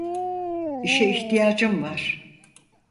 İşe ihtiyacım var.